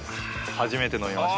初めて飲みました。